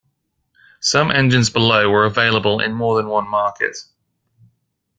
Some engines below were available in more than one market.